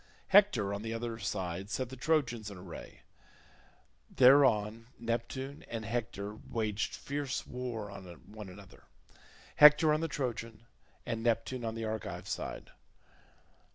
Hector on the other side set the Trojans in array. Thereon Neptune and Hector waged fierce war on one another—Hector on the Trojan and Neptune on the Argive side.